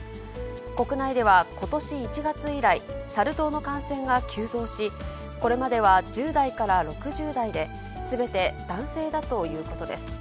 国内ではことし１月以来、サル痘の感染が急増し、これまでは１０代から６０代で、すべて男性だということです。